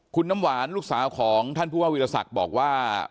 คุณน้ำหวานลูกสาวของท่านผู้ว่าวิรสักบอกว่า